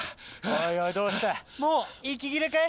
おいおいどうしたもう息切れかい？